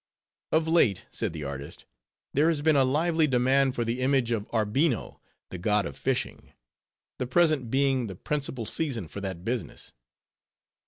"Of late," said the artist, "there has been a lively demand for the image of Arbino the god of fishing; the present being the principal season for that business.